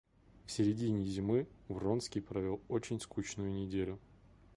В средине зимы Вронский провел очень скучную неделю.